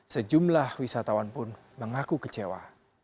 sejumlah wisatawan pun mengaku kecewa